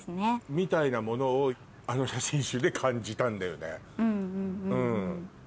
みたいなものをあの写真集で感じたんだよね。